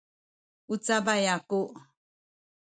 u cabay aku